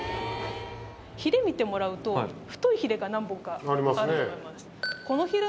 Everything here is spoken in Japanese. ひれ見てもらうと、太いひれが何本かあると思います。